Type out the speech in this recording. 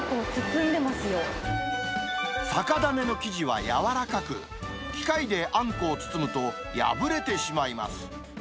酒種の生地は柔らかく、機械であんこを包むと、破れてしまいます。